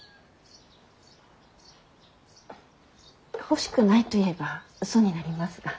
欲しくないと言えば嘘になりますが。